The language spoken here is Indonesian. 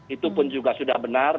itu pun juga sudah benar